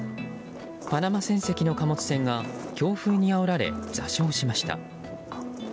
パナマ船籍の貨物船が強風にあおられ座礁しました。